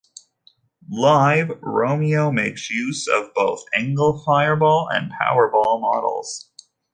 Live, Romeo makes use of both the Engl Fireball and Powerball models.